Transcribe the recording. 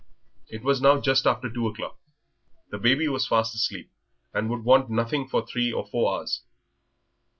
It was now just after two o'clock. The baby was fast asleep, and would want nothing for three or four hours.